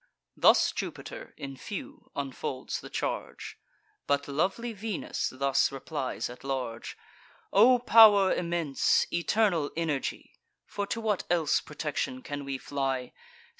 Thus Jupiter in few unfolds the charge; But lovely Venus thus replies at large: "O pow'r immense, eternal energy, (For to what else protection can we fly?)